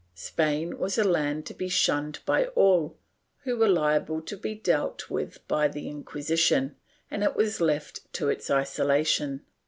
Spain was a land to be shunned by all who were Hable to be dealt with by the Inquisition, and it was left to its isolation.